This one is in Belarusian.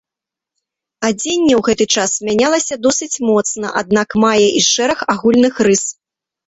Адзенне ў гэты час мянялася досыць моцна, аднак мае і шэраг агульных рыс.